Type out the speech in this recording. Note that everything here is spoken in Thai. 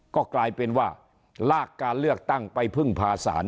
ก็กลายเป็นว่าลากการเลือกตั้งไปพึ่งพาศาล